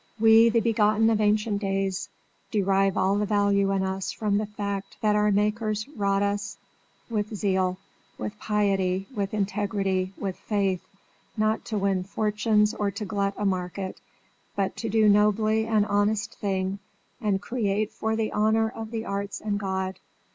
We, the begotten of ancient days, derive all the value in us from the fact that our makers wrought at us with zeal, with piety, with integrity, with faith not to win fortunes or to glut a market, but to do nobly an honest thing and create for the honour of the Arts and God.